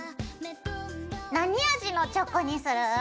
何味のチョコにする？